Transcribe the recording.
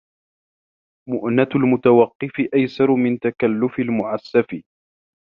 مُؤْنَةُ الْمُتَوَقِّفِ أَيْسَرُ مِنْ تَكَلُّفِ الْمُعَسَّفِ